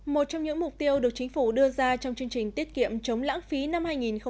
một trong những mục tiêu được chính phủ đưa ra trong chương trình tiết kiệm chống lãng phí năm hai nghìn hai mươi